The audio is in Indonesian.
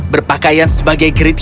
berpakaian sebagai kritik